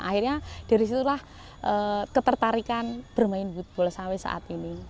akhirnya dari situlah ketertarikan bermain woodball sawi saat ini